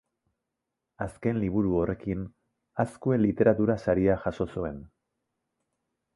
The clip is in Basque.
Azken liburu horrekin Azkue literatura saria jaso zuen.